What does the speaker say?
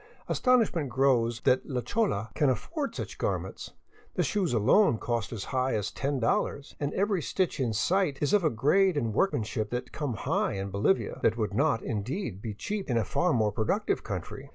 Astonishment grows that la chola can afford such garments. The shoes alone cost as high as $io, and every stitch in sight is of a grade and workmanship that come high in Bolivia, that woul^ not, indeed, be cheap in a far more productive country.